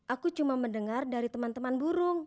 aku cuma mendengar dari teman teman burung